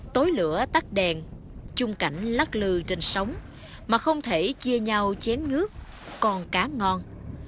tối lửa tắt đèn chung cảnh lắc lư trên sóng mà không thể chia nhau chén nước còn cá ngon